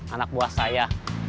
anak buah saya